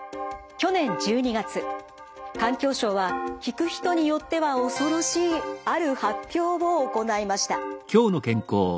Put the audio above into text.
去年１２月環境省は聞く人によっては恐ろしいある発表を行いました。